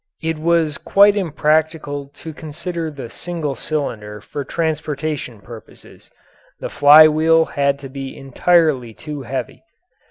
It was quite impractical to consider the single cylinder for transportation purposes the fly wheel had to be entirely too heavy.